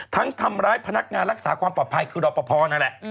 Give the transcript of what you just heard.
ทำร้ายพนักงานรักษาความปลอดภัยคือรอปภนั่นแหละ